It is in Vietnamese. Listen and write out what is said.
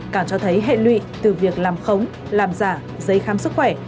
cả cho thấy hệ lụy từ việc làm khống làm giả dây khám sức khỏe